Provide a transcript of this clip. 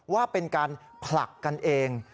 ว่าเป็นการผลักกันเอง